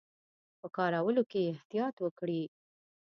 په کارولو کې یې احتیاط وکړي.